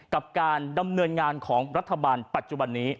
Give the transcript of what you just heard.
กับการดำเนินงานของรัฐบาลปัจจุบันนี้